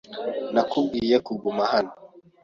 Nakubwiye kuguma hano.